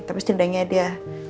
tapi setidaknya dia